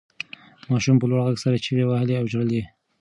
ماشوم په لوړ غږ سره چیغې وهلې او ژړل یې.